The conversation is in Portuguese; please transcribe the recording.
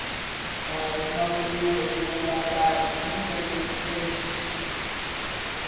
Mais uma proeza do mandatário incompetente